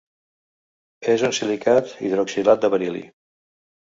És un silicat hidroxilat de beril·li.